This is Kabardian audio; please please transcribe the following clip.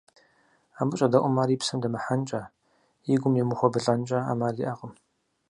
Абы щӀэдэӀум ар и псэм дэмыхьэнкӀэ, и гум емыхуэбылӀэнкӀэ Ӏэмал иӀэкъым.